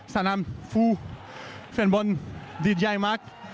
สนามฟูเฟรนบอลดีใจมาก